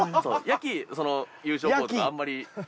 やき優勝校とかあんまり。